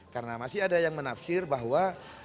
karena masih ada yang menafsir bahwa